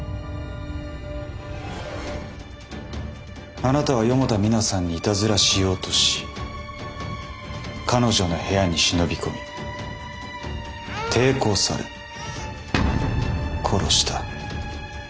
あなたは四方田己奈さんにいたずらしようとし彼女の部屋に忍び込み抵抗され殺した。